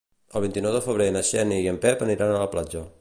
El vint-i-nou de febrer na Xènia i en Pep aniran a la platja.